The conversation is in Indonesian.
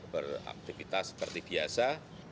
beraktivitas seperti biasa